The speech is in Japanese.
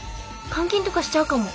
監禁とかしちゃうかも。